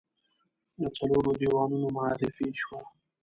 د څلورو دیوانونو معرفي شوه.